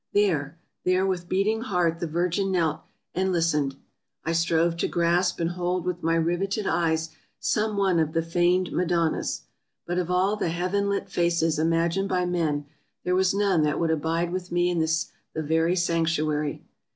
There — there with beating heart the Virgin knelt, and listened ; I strove to grasp and hold with my riveted eyes some one of the feigned Madonnas; but of all the heaven lit faces imagined by men, there was none that would abide with me in this the very sanctuary.